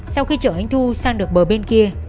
sau khi chở hành thu sang được bờ bên kia